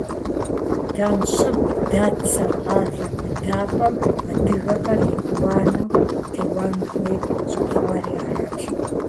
Тэн щӏыб дэт Саркъалэ быдапӏэм адыгэхэр етӏуанэу теуэн хуей щӏэхъуари аращ.